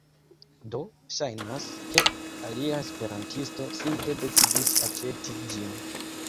Do ŝajnas, ke alia esperantisto simple decidis aĉeti ĝin